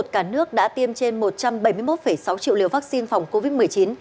cả nước đã tiêm trên một trăm bảy mươi một sáu triệu liều vaccine phòng covid một mươi chín